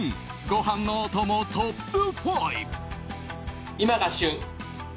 ご飯のお供トップ５。